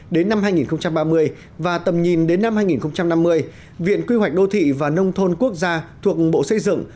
đến năm hai nghìn ba mươi và tầm nhìn đến năm hai nghìn năm mươi viện quy hoạch đô thị và nông thôn quốc gia thuộc bộ xây dựng